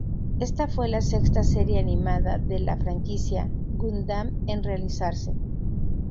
Esta fue la sexta serie animada de la franquicia "Gundam" en realizarse.